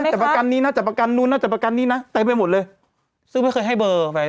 แต่ประกันนี้น่าจะประกันนู้นน่าจะประกันนี้นะเต็มไปหมดเลยซึ่งไม่เคยให้เบอร์ไป